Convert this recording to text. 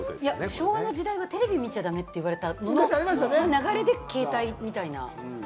昭和の時代はテレビ見ちゃだめって言われたのが、その流れで携帯みたいな？